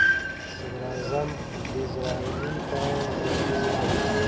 صدراعظم ډیزراییلي ته یې وړاندیز وکړ.